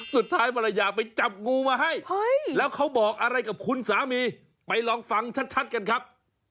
สุดท้ายภรรยาไปจับงูมาให้แล้วเขาบอกอะไรกับคุณสามีไปลองฟังชัดกันครับ